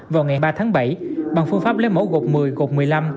vào ngày ba tháng bảy bằng phương pháp lấy mẫu gột một mươi gột một mươi năm